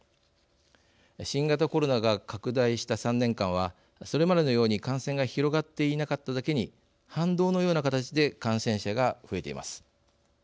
新型コロナが拡大した３年間はそれまでのように感染が広がっていなかっただけに反動のような形で感染者が増えています。